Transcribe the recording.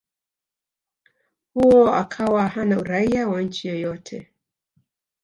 huo akawa hana Uraia wa nchi yoyote